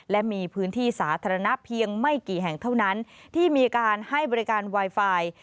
และมีพื้นที่สาธารณะเพียงไม่กี่แห่งเท่านั้นที่มีการให้บริการไวไฟ